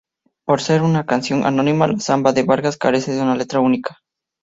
Por ser una canción anónima, la "Zamba de Vargas" carece de una letra única.